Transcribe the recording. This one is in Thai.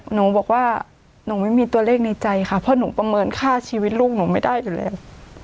หนูบอกว่าหนูไม่มีตัวเลขในใจค่ะเพราะหนูประเมินค่าชีวิตลูกหนูไม่ได้อยู่แล้ว